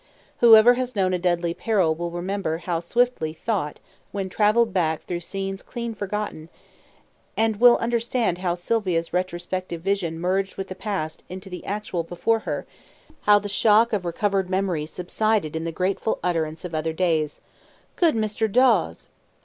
Whoever has known a deadly peril will remember how swiftly thought then travelled back through scenes clean forgotten, and will understand how Sylvia's retrospective vision merged the past into the actual before her, how the shock of recovered memory subsided in the grateful utterance of other days "Good Mr. Dawes!"